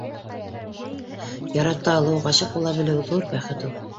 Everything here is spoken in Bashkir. Ярата алыу, ғашиҡ була белеү ҙур бәхет ул